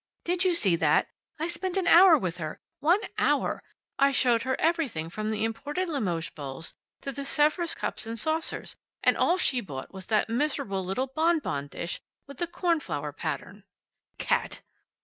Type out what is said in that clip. "Did you see that? I spent an hour with her. One hour! I showed her everything from the imported Limoges bowls to the Sevres cups and saucers, and all she bought was that miserable little bonbon dish with the cornflower pattern. Cat!"